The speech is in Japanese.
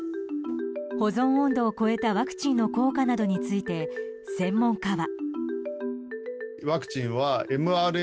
保存温度を超えたワクチンの効果などについて、専門家は。